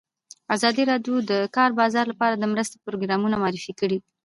ازادي راډیو د د کار بازار لپاره د مرستو پروګرامونه معرفي کړي.